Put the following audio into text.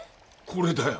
これだよ。